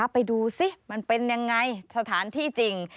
ไปดูสิมันเป็นยังไงสถานที่จริง